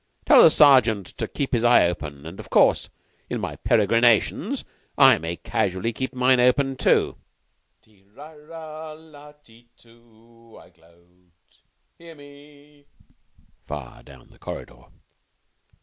Tell the Sergeant to keep his eye open; and, of course, in my peregrinations I may casually keep mine open, too." "Ti ra la la i tu! I gloat! Hear me!" far down the corridor.